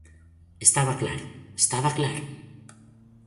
Estaba claro, estaba claro.